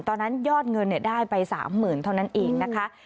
ตอนนั้นยอดเงินได้ไป๓๐๐๐เท่านั้นเองนะคะ